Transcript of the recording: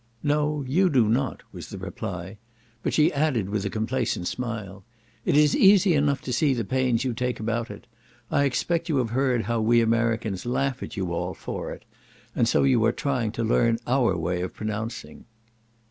"No; you do not," was the reply; but she added, with a complacent smile, "it is easy enough to see the pains you take about it: I expect you have heard how we Americans laugh at you all for it, and so you are trying to learn our way of pronouncing."